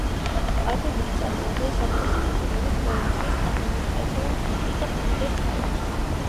არდებილი წარმოადგენს ამავე სახელწოდების პროვინციის ადმინისტრაციულ ცენტრს და უდიდეს ქალაქს.